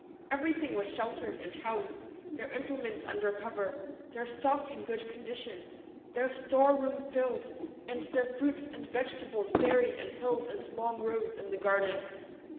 Everything was sheltered and housed, their implements under cover, their stock in good condition, their store room filled, and their fruits and vegetables buried in hills and long rows in the garden.